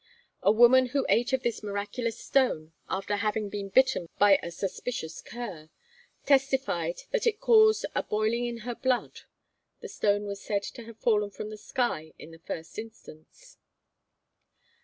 A woman who ate of this miraculous stone, after having been bitten by a suspicious cur, testified that it caused 'a boiling in her blood.' The stone was said to have fallen from the sky in the first instance.